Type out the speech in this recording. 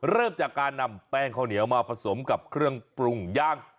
เริ่มจากการนำแป้งข้าวเหนียวมาผสมกับเครื่องปรุงย่าง